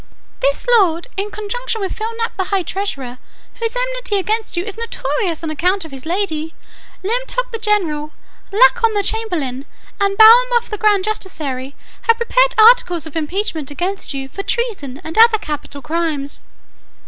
This lord, in conjunction with Flimnap the high treasurer, whose enmity against you is notorious on account of his lady, Limtoc the general, Lalcon the chamberlain, and Balmuff the grand justiciary, have prepared articles of impeachment against you, for treason and other capital crimes."